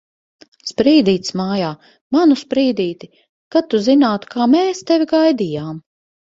Sprīdītis mājā! Manu Sprīdīti! Kad tu zinātu, kā mēs tevi gaidījām!